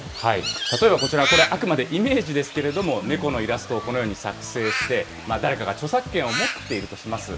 例えばこちら、これ、あくまでイメージですけれども、猫のイラストをこのように作成して、誰かが著作権を持っているとします。